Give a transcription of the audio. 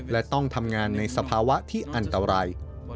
และต้องทำงานในสภาวะที่อันตราย